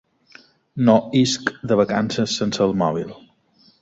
No isc de vacances sense el mòbil.